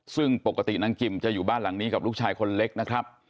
ซึ่งปกตินางกิมจะอยู่บ้านหลังนี้กับลูกชายคนเล็กนะครับ